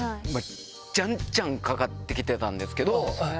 じゃんじゃんかかってきてたんですけど。